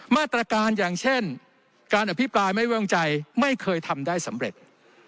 มาตรการอย่างเช่นการอภิปรายไม่ว่างใจไม่เคยทำได้สำเร็จ